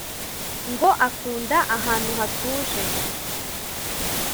ngo akunda ahantu hatuje